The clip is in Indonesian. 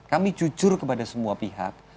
kami jujur kepada semua pihak